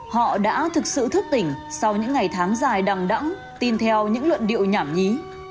họ đã thực sự thức tỉnh sau những ngày tháng dài đằng đẳng tin theo những luận điệu nhảm nhí